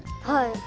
はい。